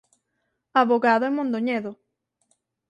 Avogado en Mondoñedo.